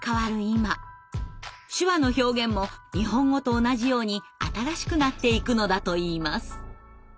今手話の表現も日本語と同じように新しくなっていくのだといいます。